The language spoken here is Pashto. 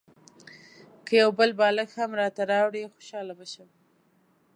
که یو بل بالښت هم راته راوړې خوشاله به شم.